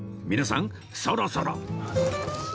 皆さんそろそろ